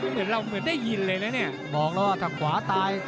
เหมือนเราเหมือนได้ยินเลยนะเนี่ยบอกแล้วว่าถ้าขวาตาย